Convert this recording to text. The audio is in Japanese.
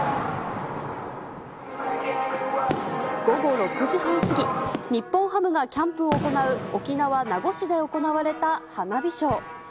３、２、１、午後６時半過ぎ、日本ハムがキャンプを行う沖縄・名護市で行われた花火ショー。